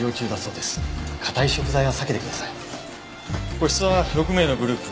個室は６名のグループ。